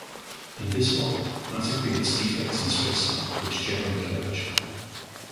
In this model, matter creates defects in spacetime which generate curvature.